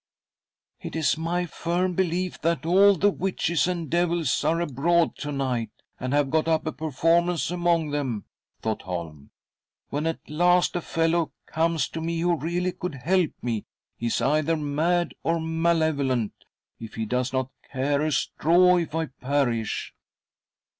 •" It's iny firm belief that all the witches and ••,..~ THE DEATH CART 53 ■..■■•.•■.....•.••.■ devils are abroad to night and have got up a per formance among them," thought Holm. "When at last a fellow comes to me, who really could help me, he is either mad or malevolent, if he does not care a. straw if I perish."